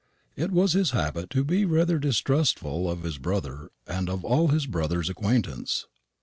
It was his habit to be rather distrustful of his brother and of all his brother's acquaintance.